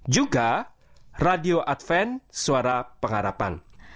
juga radio adventsuara pengharapan